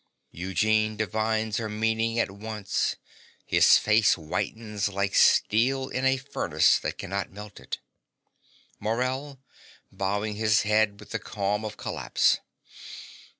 Eugene divines her meaning at once: his face whitens like steel in a furnace that cannot melt it. MORELL (bowing his head with the calm of collapse).